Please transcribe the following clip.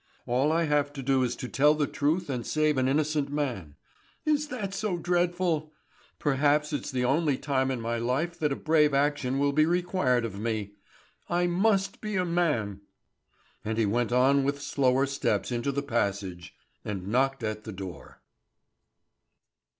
All I have to do is to tell the truth and save an innocent man. Is that so dreadful? Perhaps it's the only time in my life that a brave action will be required of me. I must be a man!" And he went on with slower steps into the passage, and knocked at the door.